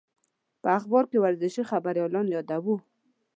په اخبار کې ورزشي خبریالان یادېدو.